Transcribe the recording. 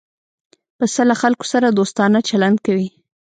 پسه له خلکو سره دوستانه چلند کوي.